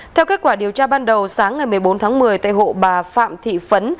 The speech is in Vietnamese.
theo kết quả điều tra ban đầu sáng ngày một mươi bốn tháng một mươi tại hộ bà phạm thị phấn